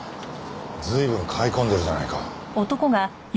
随分買い込んでるじゃないか。